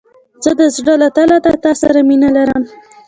زه د زړه له تله له تا سره مينه لرم.